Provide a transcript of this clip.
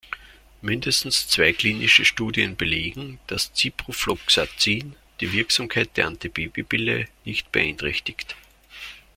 Mindestens zwei klinische Studien belegen, dass Ciprofloxacin die Wirksamkeit der Antibabypille nicht beeinträchtigt.